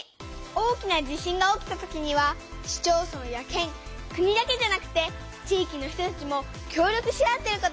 大きな地震が起きたときには市町村や県国だけじゃなくて地域の人たちも協力し合ってることがわかったよ！